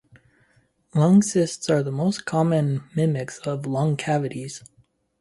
Lung cysts are the most common mimics of lung cavities.